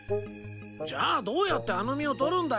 じゃあどうやってあの実を採るんだよ？